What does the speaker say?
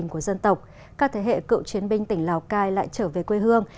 các thế hệ cựu chiến binh tỉnh lào cai lại trở về quê hương